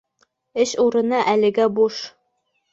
Эш урыны әлегә буш